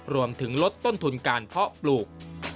รวมถึงลดต้นทุนการเพาะปลูก